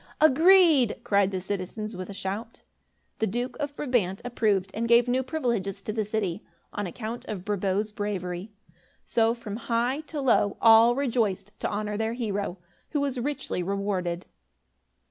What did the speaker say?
"Agreed," cried the citizens with a great shout. The Duke of Brabant approved and gave new privileges to the city, on account of Brabo's bravery. So, from high to low, all rejoiced to honor their hero, who was richly rewarded.